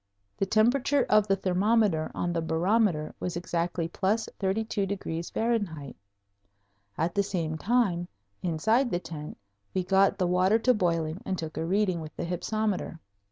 The temperature of the thermometer on the barometer was exactly +32° F. At the same time, inside the tent we got the water to boiling and took a reading with the hypsometer.